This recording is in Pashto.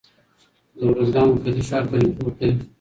د اروزگان مرکزي ښار ترینکوټ دی.